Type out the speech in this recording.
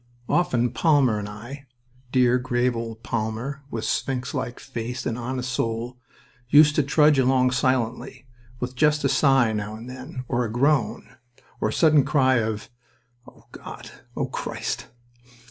Often Palmer and I dear, grave old Palmer, with sphinx like face and honest soul used to trudge along silently, with just a sigh now and then, or a groan, or a sudden cry of "O God!... O Christ!"